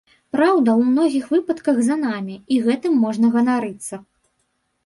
Праўда ў многіх выпадках за намі, і гэтым можна ганарыцца.